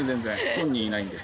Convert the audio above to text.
本人いないんで。